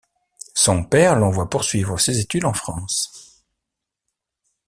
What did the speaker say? Son père l'envoie poursuivre ses études en France.